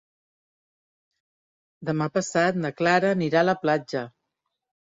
Demà passat na Clara anirà a la platja.